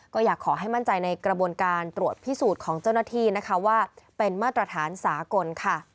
ก็อยากขอให้มั่นใจในกระบวนการตรวจพิสูจน์ของเจ้าหน้าที่นะคะว่าเป็นมาตรฐานสากลค่ะ